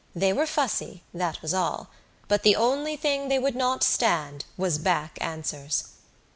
They were fussy, that was all. But the only thing they would not stand was back answers.